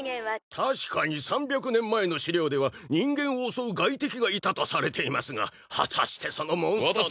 確かに３００年前の資料では人間を襲う外敵がいたとされていますが果たしてそのモンスターと。